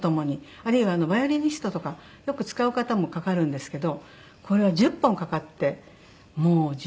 あるいはバイオリニストとかよく使う方もかかるんですけどこれが１０本かかってもう１０年ぐらいでしょうかね。